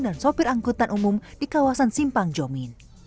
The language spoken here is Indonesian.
dan sopir angkutan umum di kawasan simpang jomin